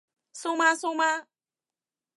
蘇媽蘇媽？